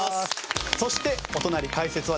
そしてお隣解説はですね